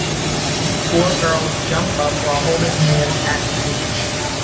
Four girls jump up while holding hands at the beach.